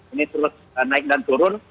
ini terus naik dan turun